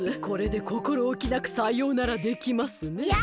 これでこころおきなくさようならできますね。